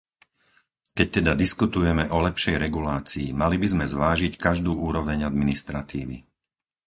Keď teda diskutujeme o lepšej regulácii, mali by sme zvážiť každú úroveň administratívy.